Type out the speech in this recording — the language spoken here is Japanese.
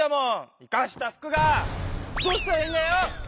どうしたらいいんだよ！